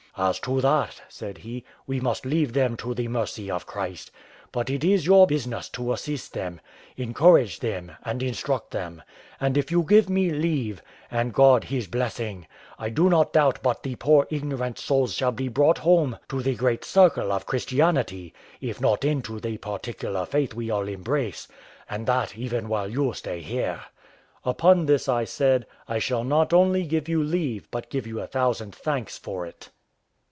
"As to that," said he, "we must leave them to the mercy of Christ; but it is your business to assist them, encourage them, and instruct them; and if you give me leave, and God His blessing, I do not doubt but the poor ignorant souls shall be brought home to the great circle of Christianity, if not into the particular faith we all embrace, and that even while you stay here." Upon this I said, "I shall not only give you leave, but give you a thousand thanks for it."